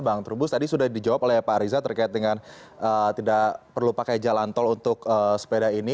bang trubus tadi sudah dijawab oleh pak ariza terkait dengan tidak perlu pakai jalan tol untuk sepeda ini